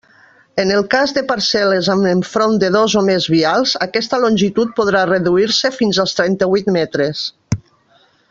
En el cas de parcel·les amb enfront de dos o més vials, aquesta longitud podrà reduir-se fins als trenta-huit metres.